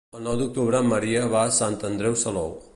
El nou d'octubre en Maria va a Sant Andreu Salou.